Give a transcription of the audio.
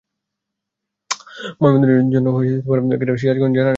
ময়নাতদন্তের জন্য মরদেহটি গতকাল বুধবার সিরাজগঞ্জ জেনারেল হাসপাতালের মর্গে পাঠানো হয়েছে।